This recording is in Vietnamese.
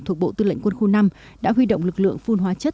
thuộc bộ tư lệnh quân khu năm đã huy động lực lượng phun hóa chất